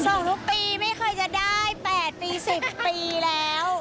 ส่งทุกปีไม่เคยจะได้๘ปี๑๐ปีแล้ว